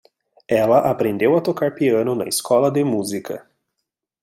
Ela aprendeu a tocar piano na escola de música.